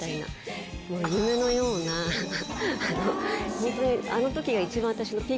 ホントに。